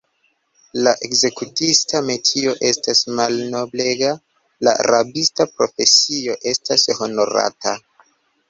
La ekzekutista metio estas malnoblega; la rabista profesio estas honorata.